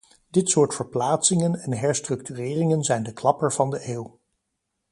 Dit soort verplaatsingen en herstructureringen zijn de klapper van de eeuw.